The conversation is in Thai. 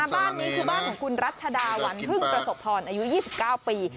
บ้านนี้คือบ้านของคุณรัชดาวัญพึ่งกระสบพรอายุยี่สิบเก้าปี